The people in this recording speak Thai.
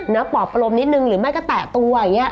นะปอบประลมนิดหนึ่งหรือไม่ก็แตะตัวอย่างเงี้ย